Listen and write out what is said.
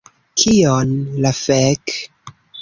Kion la fek...